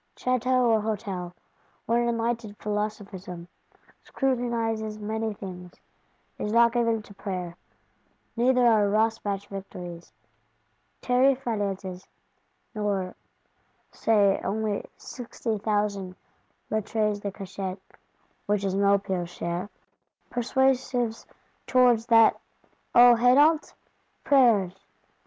Château or Hôtel, were an enlightened Philosophism scrutinises many things, is not given to prayer: neither are Rossbach victories, Terray Finances, nor, say only "sixty thousand Lettres de Cachet" (which is Maupeou's share), persuasives towards that. O Hénault! Prayers?